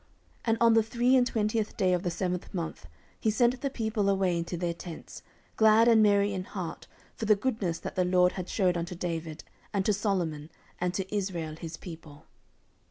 14:007:010 And on the three and twentieth day of the seventh month he sent the people away into their tents, glad and merry in heart for the goodness that the LORD had shewed unto David, and to Solomon, and to Israel his people.